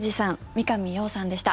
三上洋さんでした。